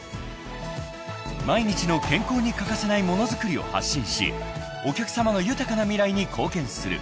［毎日の健康に欠かせない物づくりを発信しお客さまの豊かな未来に貢献する］